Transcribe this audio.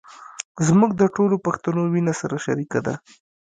زموږ د ټولو پښتنو وينه سره شریکه ده.